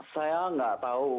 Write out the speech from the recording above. saya nggak tahu